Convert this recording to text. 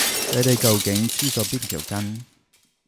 你哋究竟黐咗邊條筋？